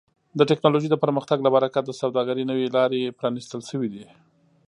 د ټکنالوژۍ د پرمختګ له برکت د سوداګرۍ نوې لارې پرانیستل شوي دي.